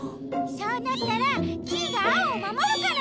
そうなったらキイがアオをまもるから！